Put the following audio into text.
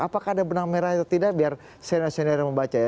apakah ada benang merah atau tidak biar senior senior yang membaca ya